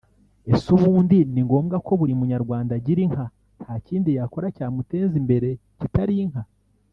Ese ubundi ni ngombwa ko buri munyarwanda agira inka nta kindi yakora cyamuteza imbere kitari inka